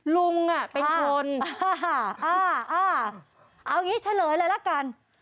ลุงอ่ะเป็นคนอ่าอ่าอ่าเอาอย่างงี้เฉลยเลยแล้วกัน